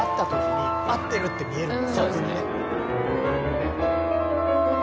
そうですね。